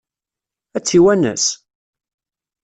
Ad tt-iwanes?